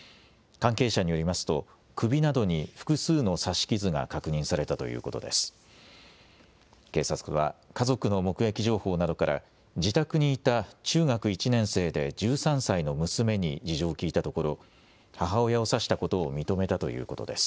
関係者によりますと首などに複数の刺し傷が確認されたということです。